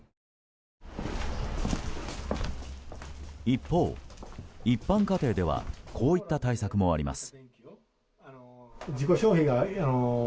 一方、一般家庭ではこういった対策もあります。